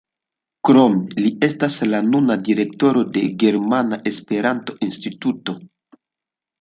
Krome li estas la nuna direktoro de Germana Esperanto-Instituto.